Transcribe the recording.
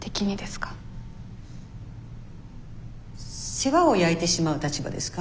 世話を焼いてしまう立場ですか？